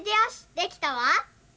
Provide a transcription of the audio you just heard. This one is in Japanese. できたわ。